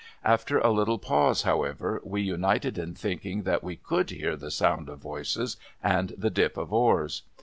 After a little pause, however, we united in thinking that we conld hear the sound of voices, and the dip of oars.